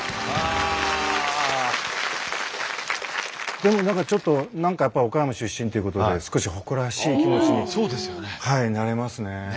でも何かちょっと何かやっぱ岡山出身っていうことで少し誇らしい気持ちになれますね。